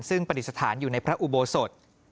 ซึ่งปฏิสถานอยู่ในพระอุโบสถ